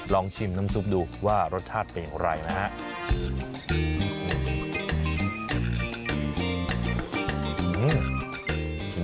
ลองชิมน้ำซุปดูว่ารสชาติเป็นอย่างไรนะครับ